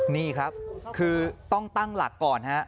นี่ครับคือต้องตั้งหลักก่อนฮะ